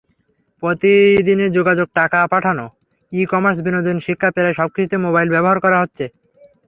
প্রতিদিনের যোগাযোগ, টাকা পাঠানো, ই-কমার্স, বিনোদন, শিক্ষা—প্রায় সবকিছুতেই মোবাইল ব্যবহার হচ্ছে।